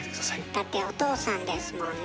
だってお父さんですもんね。